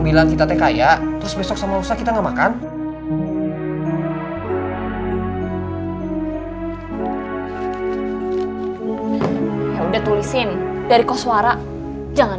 bilang kita tekaya terus besok sama usah kita nggak makan ya udah tulisin dari koswara jangan